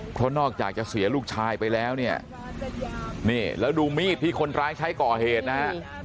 เพราะนอกจากจะเสียลูกชายไปแล้วเนี่ยนี่แล้วดูมีดที่คนร้ายใช้ก่อเหตุนะฮะ